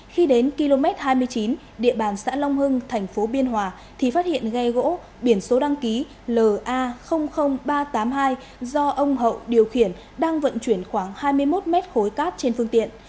khi đến km hai mươi chín địa bàn xã long hưng thành phố biên hòa thì phát hiện ghe gỗ biển số đăng ký la ba trăm tám mươi hai do ông hậu điều khiển đang vận chuyển khoảng hai mươi một mét khối cát trên phương tiện